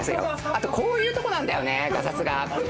あとこういうとこなんだよねガサツが。